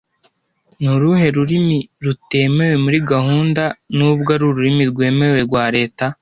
Ni uruhe rurimi rutemewe muri Gahunda nubwo ari ururimi rwemewe rwa Leta